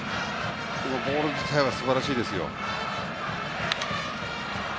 でもボール自体はすばらしいですよ。